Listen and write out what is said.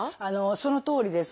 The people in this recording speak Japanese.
そのとおりです。